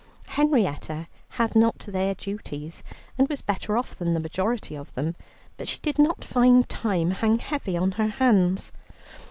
Henrietta had not their duties, and was better off than the majority of them, but she did not find time hang heavy on her hands.